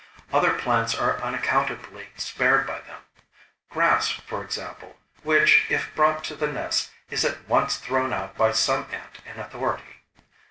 Other plants are unaccountably spared by them grass, for example, which, if brought to the nest, is at once thrown out by some ant in authority.